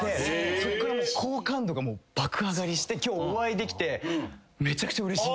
そっから好感度が爆上がりして今日お会いできてめちゃくちゃうれしい。